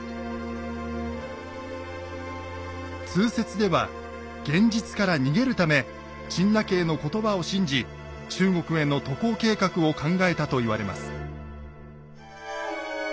通説では現実から逃げるため陳和の言葉を信じ中国への渡航計画を考えたと言われます。